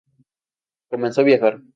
Comenzó a viajar.